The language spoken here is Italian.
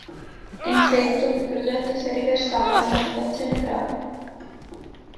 In seguito il progetto si è riversato nella Fondazione Prada.